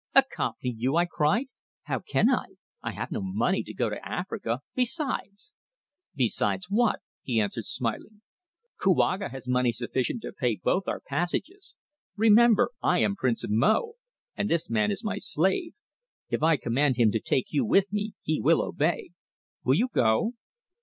"Accompany you!" I cried. "How can I? I have no money to go to Africa, besides " "Besides what?" he answered smiling. "Kouaga has money sufficient to pay both our passages. Remember, I am Prince of Mo, and this man is my slave. If I command him to take you with me he will obey. Will you go?"